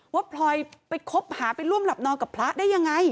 พลอยไปคบหาไปร่วมหลับนอนกับพระได้ยังไง